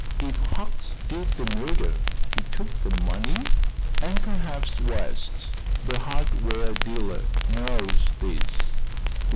If Hucks did the murder he took the money, and perhaps West, the hardware dealer, knows this.